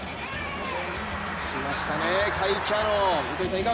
きましたね、甲斐キャノン。